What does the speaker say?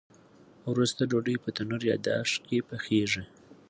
وروسته ډوډۍ په تنور یا داش کې پخیږي.